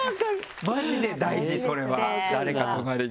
マジで大事それは誰か隣にいるって。